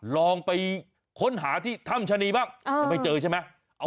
ลองไปค้นหาที่ถ้ำชะนีบ้างยังไม่เจอใช่ไหม